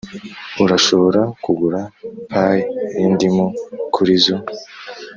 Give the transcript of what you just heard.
urashobora kugura pie yindimu kuri zoo;